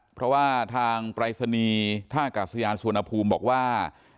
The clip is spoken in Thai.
เพราะว่าทางปรายศนีย์ท่ากาศยานสุวรรณภูมิบอกว่า